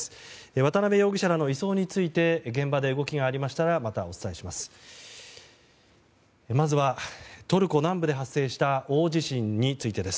渡邉容疑者らの移送について現場で動きがありましたらまたお伝えします。